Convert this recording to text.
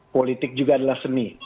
politik juga adalah seni